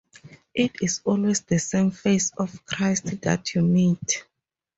It is always the same face of Christ that you meet.